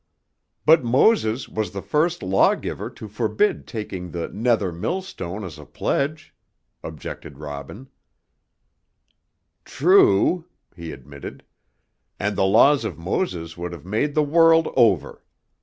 "But Moses was the first lawgiver to forbid taking the nether millstone as a pledge," objected Robin. "True," he admitted, "and the laws of Moses would have made the world over.